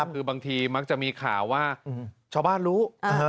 คือบางทีมักจะมีข่าวว่าชาวบ้านรู้